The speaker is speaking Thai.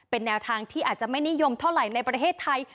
เป็นแนวทางที่อาจจะไม่นิยมเท่าไหร่ในประเทศไทย